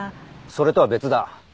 それとは別だ。